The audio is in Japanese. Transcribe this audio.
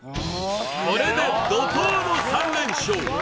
これで怒濤の３連勝